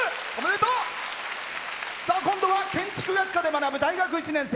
今度は建築学科で学ぶ大学１年生。